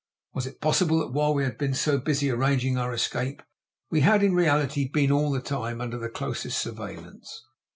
Was it possible that while we had been so busy arranging our escape we had in reality been all the time under the closest surveillance?